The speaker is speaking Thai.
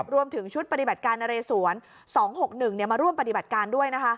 รวมถึงชุดปฏิบัติการนเรสวน๒๖๑มาร่วมปฏิบัติการด้วยนะคะ